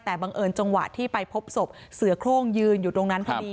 แต่บังเอิญจังหวะที่ไปพบศพเสือโครงยืนอยู่ตรงนั้นพอดี